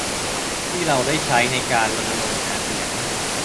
ที่เราได้ใช้ในการรณรงค์หาเสียง